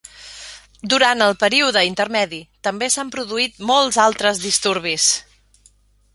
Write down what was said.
Durant el període intermedi també s'han produït moltes altres disturbis.